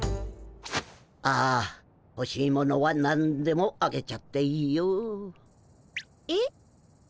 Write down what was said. ああほしいものはなんでもあげちゃっていいよ。え？